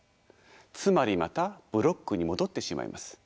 つまりまたブロックに戻ってしまいます。